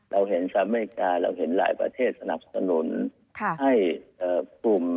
เราเห็นสหรัฐอเมริกาเราเห็นหลายประเทศสนับสนุนให้กลุ่ม